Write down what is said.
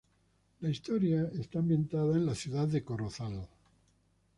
La historia está ambientada en la ciudad de Corozal.